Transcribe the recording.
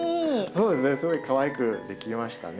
そうですねすごいかわいく出来ましたね。